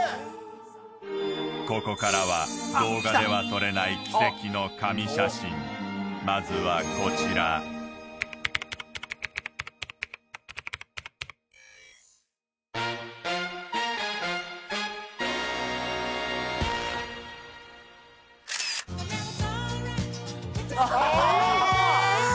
ここからは動画では撮れないキセキの神写真まずはこちらああ